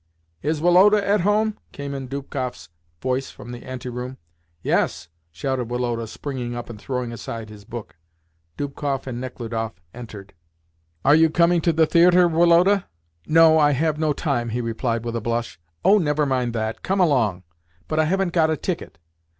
"Is Woloda at home?" came in Dubkoff's voice from the ante room. "Yes!" shouted Woloda, springing up and throwing aside his book. Dubkoff and Nechludoff entered. "Are you coming to the theatre, Woloda?" "No, I have no time," he replied with a blush. "Oh, never mind that. Come along." "But I haven't got a ticket."